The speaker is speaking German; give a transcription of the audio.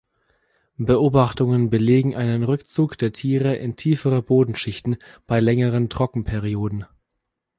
Beobachtungen belegen einen Rückzug der Tiere in tiefere Bodenschichten bei längeren Trockenperioden.